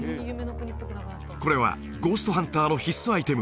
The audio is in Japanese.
これはゴーストハンターの必須アイテム